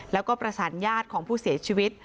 แล้วก็ประสานญาติของผู้เสียชีวิต